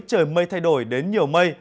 trời mây thay đổi đến nhiều mây